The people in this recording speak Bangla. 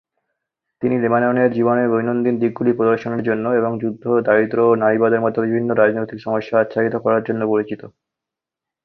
তিনি লেবাননের জীবনের দৈনন্দিন দিকগুলি প্রদর্শনের জন্য এবং যুদ্ধ, দারিদ্র্য ও নারীবাদের মতো বিভিন্ন রাজনৈতিক সমস্যা আচ্ছাদিত করার জন্য পরিচিত।